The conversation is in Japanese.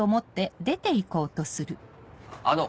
あの。